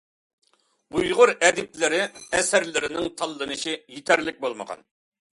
ئۇيغۇر ئەدىبلىرى ئەسەرلىرىنىڭ تاللىنىشى يېتەرلىك بولمىغان.